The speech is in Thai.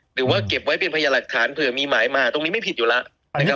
หรือว่าเก็บไว้เป็นพัยะหลักฐานเผื่อมีหมายมาตรงนี้ไม่ผิดอยู่แล้ว